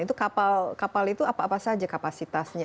itu kapal itu apa saja kapasitasnya